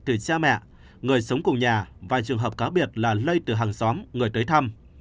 từ cha mẹ người sống cùng nhà và trường hợp cá biệt là lây từ hàng xóm người tới thăm